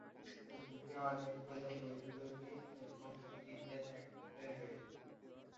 এটিতে অনেকগুলি বৈদ্যুতিন এবং ডিজেল একসাথে রয়েছে।